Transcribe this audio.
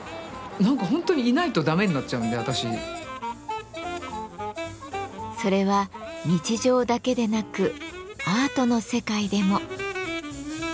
何か本当にそれは日常だけでなくアートの世界でも。